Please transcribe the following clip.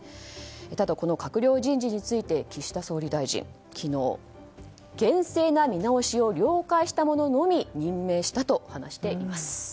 ただ、この閣僚人事について岸田総理大臣昨日、厳正な見直しを了解した者のみ任命したと話しています。